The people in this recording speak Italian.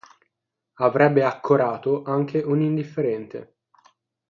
Avrebbe accorato anche un indifferente.